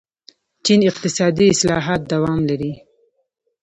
چین اقتصادي اصلاحات دوام لري.